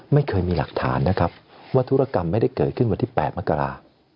ไม่เคยมีหลักฐานนะครับว่าธุรกรรมไม่ได้เกิดขึ้นวันที่๘มกรา